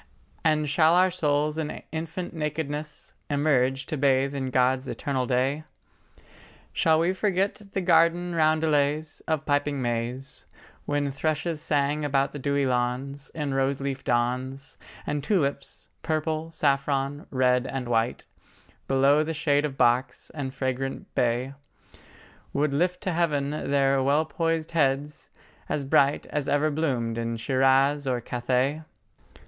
And shall our souls in infant nakedness Emerge to bathe in God's eternal day? Shall we forget the garden roundelays Of piping Mays, When thrushes sang around the dewy lawns In roseleaf dawns, And tulips—purple, saffron, red and white,— Below the shade of box and fragrant bay, Would lift to heaven their well poised heads, as bright As ever bloomed in Shiraz or Cathay?